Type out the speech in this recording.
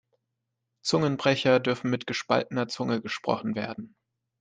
Zungenbrecher dürfen mit gespaltener Zunge gesprochen werden.